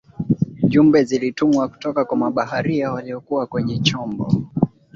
jumbe zilitumwa kutoka kwa mabaharia waliokuwa kwenye chombo